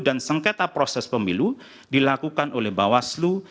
dan sengketa proses pemilu dilakukan oleh bawaslu